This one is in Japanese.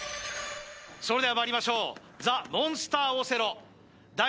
それではまいりましょうザ・モンスターオセロ第１